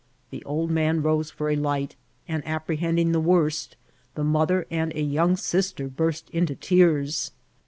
The old man rose for a light, and, vpfpre* bending the worst, the mother and a young sister burst into tears.